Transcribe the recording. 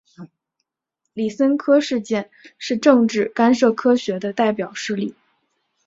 李森科事件是政治干涉科学的代表事例。